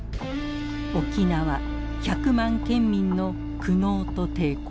「沖縄百万県民の苦悩と抵抗」。